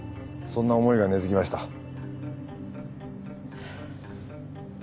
そんな思いが根づきました。